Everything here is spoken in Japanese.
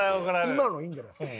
今のいいんじゃないですか？